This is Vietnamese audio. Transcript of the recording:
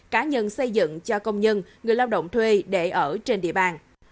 cá nhân xây dựng cho công nhân người lao động thuê để ở trên địa bàn